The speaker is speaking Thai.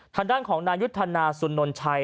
ทางด้านของนายุทธนาสุนนชัย